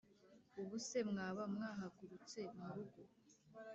Ubuse mwaba mwahagurutse mu rugo